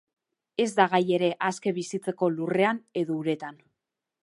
Ez da gai ere aske bizitzeko lurrean edo uretan.